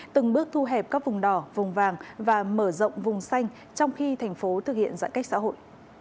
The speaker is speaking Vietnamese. từng bước thu hẹp các vùng đỏ vùng vàng và mở rộng vùng xanh trong khi thành phố thực hiện giãn cách xã hội